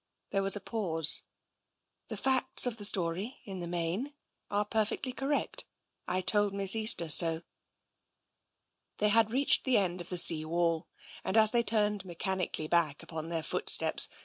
There was a pause. " The facts of the story, in the main, are perfectly correct. I told Miss Easter so." They had reached the end of the sea wall, and as they turned mechanically back upon their footsteps.